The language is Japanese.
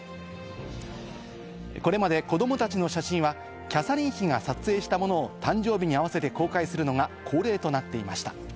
これまで子供たちの写真はキャサリン妃が撮影したものを誕生日にあわせて公開するのが恒例となっていました。